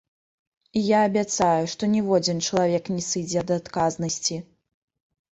І я абяцаю, што ніводзін чалавек не сыдзе ад адказнасці!